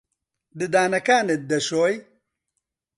ددانەکانت دەشۆی؟